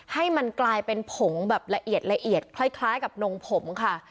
ให้มันกลายเป็นผงแบบละเอียดละเอียดคล้ายกับนมผมค่ะ